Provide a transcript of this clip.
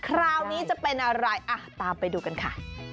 คราวนี้จะเป็นอะไรอ่ะตามไปดูกันค่ะ